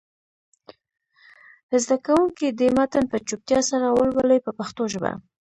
زده کوونکي دې متن په چوپتیا سره ولولي په پښتو ژبه.